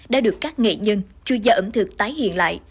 đã được các nghệ nhân chuyên gia ẩm thực tái hiện lại